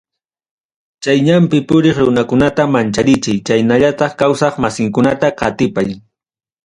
Chay ñanpi puriq runakunata mancharichiy chaynallataq kawsaq masinkunata qatipay.